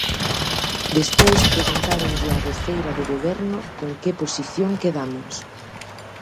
Despois preguntáronlle á voceira do Goberno con que posición quedamos.